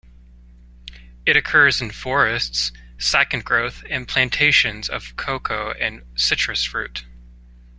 It occurs in forests, second growth and plantations of cocoa and citrus fruit.